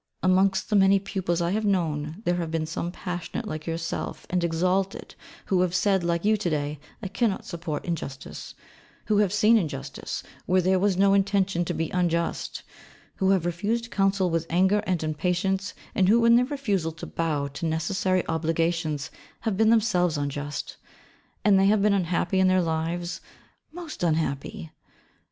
Amongst the many pupils I have known, there have been some passionate like yourself and exalted, who have said like you to day, I cannot support injustice, who have seen injustice, where there was no intention to be unjust; who have refused counsel with anger and impatience, and who in their refusal to bow to necessary obligations have been themselves unjust. And they have been unhappy in their lives; most unhappy.